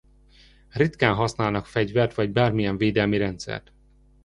Ritkán használnak fegyvert vagy bármilyen védelmi rendszert.